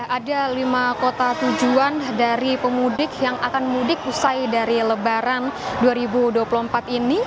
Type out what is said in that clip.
ada lima kota tujuan dari pemudik yang akan mudik usai dari lebaran dua ribu dua puluh empat ini